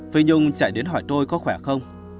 phi nhung chạy đến hỏi tôi có khỏe không